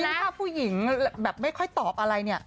หน้าภาพผู้หญิงแบบแบบไม่ค่อยตอบอะไรเนี่ย